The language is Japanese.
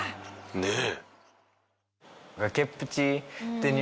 「ねえ」